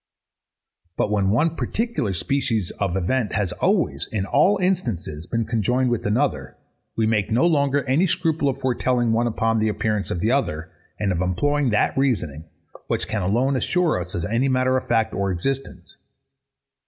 But when one particular species of event has always, in all instances, been conjoined with another, we make no longer any scruple of foretelling one upon the appearance of the other, and of employing that reasoning, which can alone assure us of any matter of fact or existence.